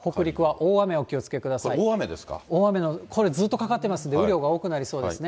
大雨のこれ、ずっとかかっていますので、雨量が多くなりそうですね。